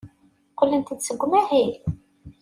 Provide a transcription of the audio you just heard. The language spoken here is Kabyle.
Qqlent-d seg umahil.